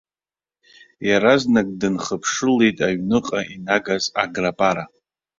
Иаразнак дынхыԥшылеит аҩныҟа инагаз аграпара.